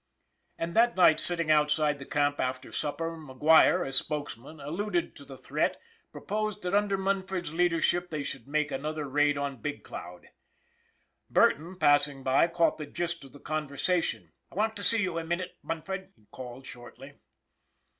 And 328 ON THE IRON AT BIG CLOUD. that night sitting outside the camp after supper, Mc Guire , as spokesman, alluding to the threat, proposed that under Munford's leadership they should make another raid on Big Cloud. Burton, passing by, caught the gist of the conversa tion. " I want to see you a minute, Munford," he called, shortly.